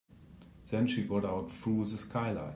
Then she got out through the skylight.